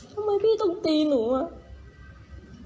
ทำไมพี่ต้องตีหนูอ่ะ